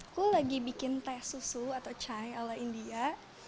aku lagi bikin teh susu atau cai ala india